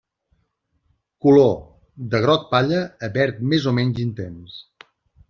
Color: de groc palla a verd més o menys intens.